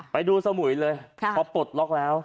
ไปดูสมุยเลยพอปลดล็อกแล้ว